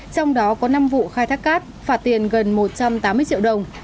trong đó có năm vụ khai thác cát phạt tiền gần một trăm tám mươi triệu đồng